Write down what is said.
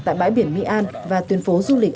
tại bãi biển my an và tuyên phố du lịch